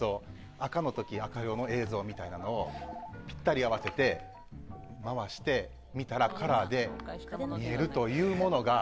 赤の時は赤用の映像みたいなのをぴったり合わせて回して、見たらカラーで見えるというものが。